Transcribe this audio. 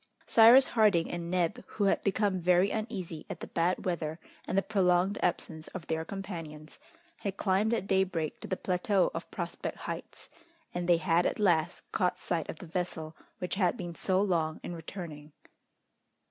Cyrus Harding and Neb, who had become very uneasy at the bad weather and the prolonged absence of their companions, had climbed at daybreak to the plateau of Prospect Heights, and they had at last caught sight of the vessel which had been so long in returning.